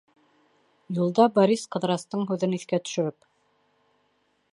Юлда Борис, Ҡыҙырастың һүҙен иҫкә төшөрөп: